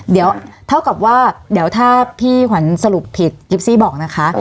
เดี๋ยวถ้าพี่หวันสรุปผิดกิปซี่บอกนะคะ